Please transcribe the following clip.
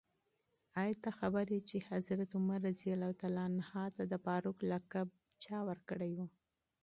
آیا ته پوهېږې چې عمر رض ته د فاروق لقب چا ورکړی و؟